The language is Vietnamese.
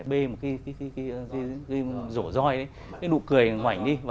bê một cái